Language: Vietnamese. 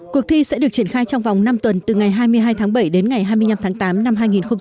cuộc thi sẽ được triển khai trong vòng năm tuần từ ngày hai mươi hai tháng bảy đến ngày hai mươi năm tháng tám năm hai nghìn hai mươi